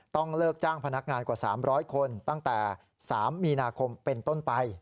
เลิกจ้างพนักงานกว่า๓๐๐คนตั้งแต่๓มีนาคมเป็นต้นไป